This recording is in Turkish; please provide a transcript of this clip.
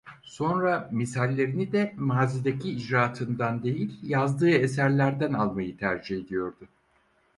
Sonra misallerini de mazideki icraatından değil, yazdığı eserlerden almayı tercih ediyordu.